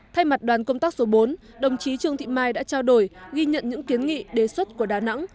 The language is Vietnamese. thay mặt đoàn công tác số bốn đồng chí trương thị mai đã trao đổi ghi nhận những kiến nghị đề xuất của đà nẵng